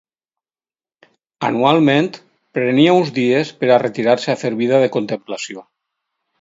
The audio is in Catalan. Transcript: Anualment, prenia uns dies per a retirar-se a fer vida de contemplació.